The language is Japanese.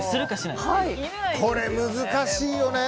これは難しいよね。